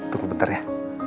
tunggu bentar ya